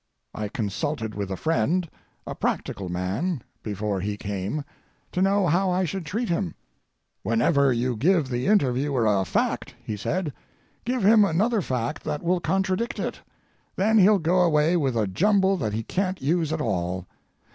I consulted with a friend—a practical man—before he came, to know how I should treat him. "Whenever you give the interviewer a fact," he said, "give him another fact that will contradict it. Then he'll go away with a jumble that he can't use at all.